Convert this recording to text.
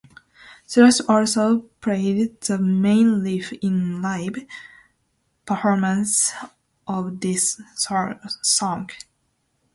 Slash also played the main riff in live performances of this song.